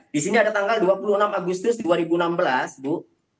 di sini ada tanggal dua puluh enam agustus dua ribu enam belas bu